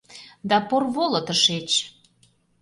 — Да порволо тышеч!